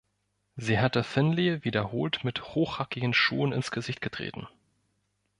Sie hatte Finley wiederholt mit hochhackigen Schuhen ins Gesicht getreten.